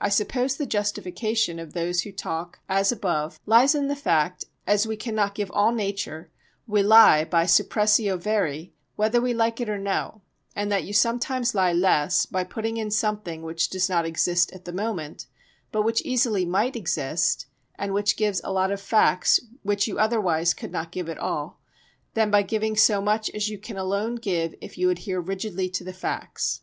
I suppose the justification of those who talk as above lies in the fact that, as we cannot give all nature, we lie by suppressio veri whether we like it or no, and that you sometimes lie less by putting in something which does not exist at the moment, but which easily might exist and which gives a lot of facts which you otherwise could not give at all, than by giving so much as you can alone give if you adhere rigidly to the facts.